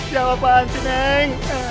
ya wabah bang si neng